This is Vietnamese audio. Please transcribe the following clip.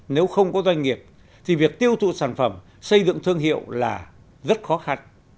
nếu không có doanh nghiệp thì việc tiêu thụ sản phẩm xây dựng thương hiệu là rất khó khăn